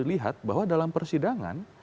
lihat bahwa dalam persidangan